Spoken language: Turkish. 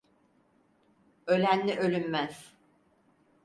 Ölenle ölünmez.